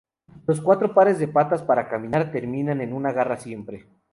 Los cuatro pares de patas para caminar terminan en una garra simple.